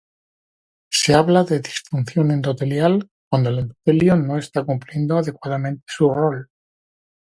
Se habla de disfunción endotelial cuando el endotelio no está cumpliendo adecuadamente su rol.